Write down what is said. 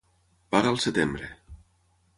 Paga al setembre.